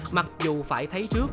mặc dù phải thấy trước